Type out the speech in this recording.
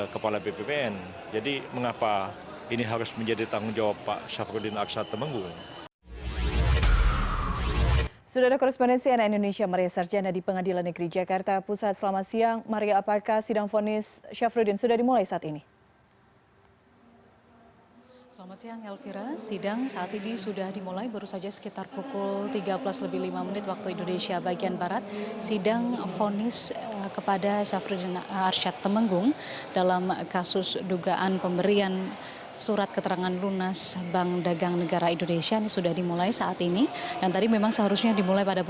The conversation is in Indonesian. kewajiban pemegang nasional indonesia yang dimiliki pengusaha syamsul nursalim